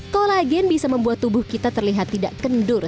kolagen bisa membuat tubuh kita terlihat tidak kendur